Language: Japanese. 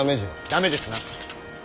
駄目ですな。